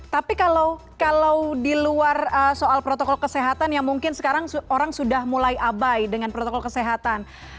tapi kalau di luar soal protokol kesehatan yang mungkin sekarang orang sudah mulai abai dengan protokol kesehatan